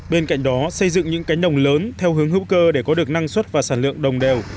bên cạnh đó xây dựng những cánh đồng lớn theo hướng hữu cơ để có được năng suất và sản lượng đồng đều